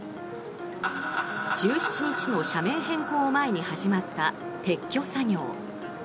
１７日の社名変更前に始まった撤去作業。